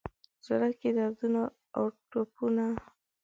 زړه کي دردونو اوټپونو،